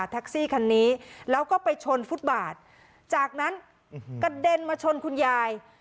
แท็กซี่คันนี้แล้วก็ไปชนฟุตบาทจากนั้นกระเด็นมาชนคุณยาย